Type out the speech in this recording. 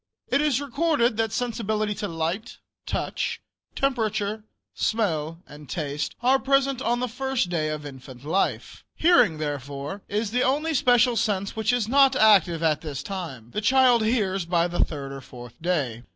It is recorded that sensibility to light, touch, temperature, smell and taste are present on the first day of infant life. Hearing, therefore, is the only special sense which is not active at this time. The child hears by the third or fourth day.